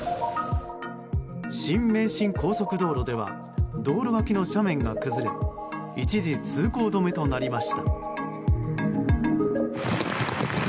新名神高速道路では道路脇の斜面が崩れ一時、通行止めとなりました。